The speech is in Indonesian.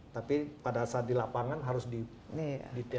tapi pada saat di lapangan harus di detail